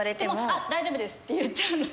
あっ大丈夫ですって言っちゃうの。